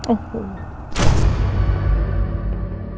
โอ้โห